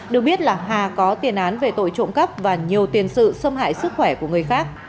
được biết là hà có tiền án về tội trộm cắp và nhiều tiền sự xâm hại sức khỏe của người khác